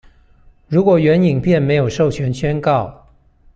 如果原影片沒有授權宣告